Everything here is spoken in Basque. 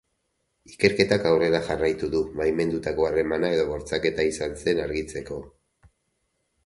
Ikerketak aurrera jarraitu du, baimendutako harremana edo bortxaketa izan zen argitzeko.